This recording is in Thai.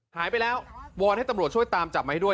หายไปแล้ววอนให้ตำรวจช่วยตามจับมาให้ด้วย